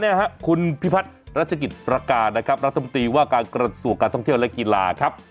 แล้วเนี่ยคุณพิพัฒน์รัฐชกิจประการณ์นะครับรัฐบุติว่าการกระจัดสู่การท่องเที่ยวและกีฬาครับ